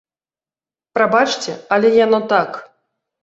Прабачце, але яно так.